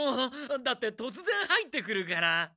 だってとつぜん入ってくるから。